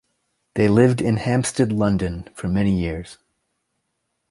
They lived in Hampstead, London for many years.